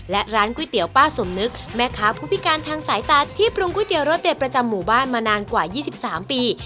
และร้านก๋วยเตี๋ยวป้าสมนึกแม่ค้าผู้พิการทางสายตาที่ปรุงก๋วเตี๋รสเด็ดประจำหมู่บ้านมานานกว่า๒๓ปี